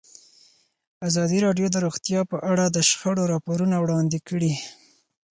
ازادي راډیو د روغتیا په اړه د شخړو راپورونه وړاندې کړي.